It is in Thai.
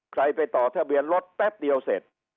ไปต่อทะเบียนรถแป๊บเดียวเสร็จ